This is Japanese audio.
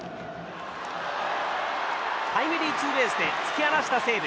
タイムリーツーベースで突き放した西武。